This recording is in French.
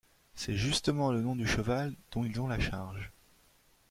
C'est justement le nom du cheval dont ils ont la charge.